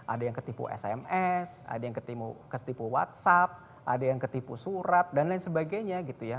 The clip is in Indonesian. ada yang ketipu sms ada yang ketipu whatsapp ada yang ketipu surat dan lain sebagainya